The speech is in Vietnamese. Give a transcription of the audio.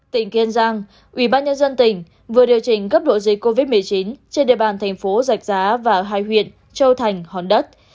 tỉnh kiên giang ủy ban nhân dân tỉnh vừa điều chỉnh cấp độ dịch covid một mươi chín trên địa bàn thành phố giạch giá và hai huyện châu thành hòn đất